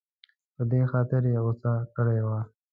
په دې خاطر یې غوسه کړې وه.